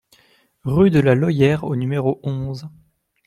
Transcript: Rue de la Loyère au numéro onze